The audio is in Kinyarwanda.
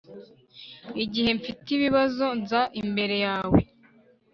igihe mfite ibibazo nza imbere yawe